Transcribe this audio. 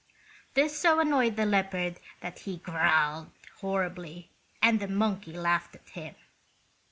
This so annoyed the leopard that he growled horribly, and the monkey laughed at him.